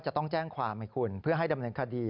จะต้องแจ้งความให้คุณเพื่อให้ดำเนินคดี